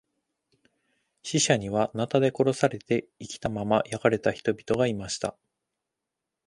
死者には、なたで殺されて生きたまま焼かれた人々がいました。